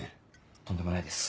とんでもないです。